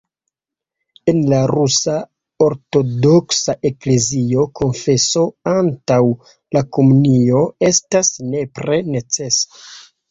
En la Rusa Ortodoksa Eklezio konfeso antaŭ la komunio estas nepre necesa.